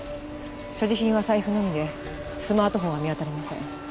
所持品は財布のみでスマートフォンは見当たりません。